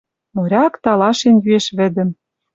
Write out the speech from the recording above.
Моряк талашен йӱэш вӹдӹм. —